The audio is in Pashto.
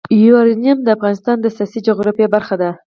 یورانیم د افغانستان د سیاسي جغرافیه برخه ده.